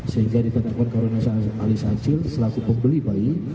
sehingga ditentukan karunia ali saksil selaku pembeli bayi